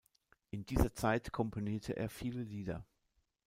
In dieser Zeit komponierte er viele Lieder.